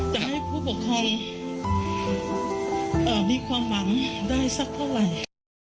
จะให้ผู้ปกครองมีความหวังได้สักเท่าไหร่